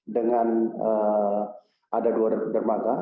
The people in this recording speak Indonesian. dengan ada dua dermaga